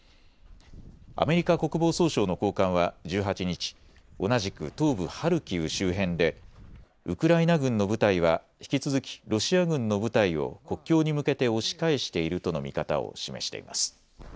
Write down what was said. アメリカ国防総省の高官は１８日、同じく東部ハルキウ周辺でウクライナ軍の部隊は引き続きロシア軍の部隊を国境に向けて押し返しているとの見方を示しています。